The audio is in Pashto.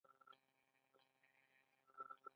د مقعد د خارش لپاره د ناریل تېل وکاروئ